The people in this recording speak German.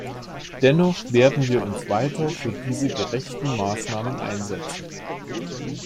Dennoch werden wir uns weiter für diese gerechten Maßnahmen einsetzen.